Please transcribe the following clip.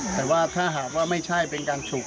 แต่ว่าถ้าหากว่าไม่ใช่เป็นการฉุก